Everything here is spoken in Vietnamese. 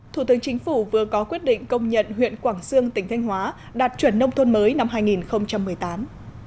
thủ tướng chính phủ vừa có quyết định công nhận huyện quảng sương tỉnh thanh hóa đạt chuẩn nông thôn mới năm hai nghìn một mươi tám